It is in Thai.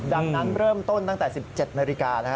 ดังนั้นเริ่มต้นตั้งแต่๑๗นาฬิกา